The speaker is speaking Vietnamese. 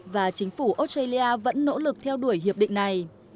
và chính phủ australia vẫn nỗ lực theo đuổi hiệp định này